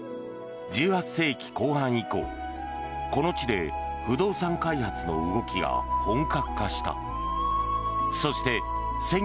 １８世紀後半以降、この地で不動産開発の動きが本格化した。